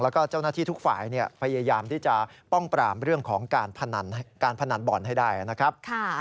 แล้วก็เจ้าหน้าที่ทุกฝ่ายพยายามที่จะป้องปรามเรื่องของการพนันบ่อนให้ได้นะครับ